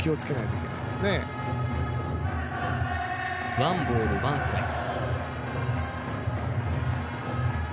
ワンボールワンストライク。